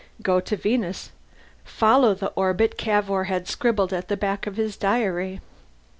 Go to Venus. Follow the orbit Cavour had scribbled at the back of his diary.